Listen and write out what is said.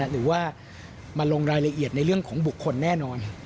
หรือว่ามาลงรายละเอียดในเรื่องของบุคคลแน่นอน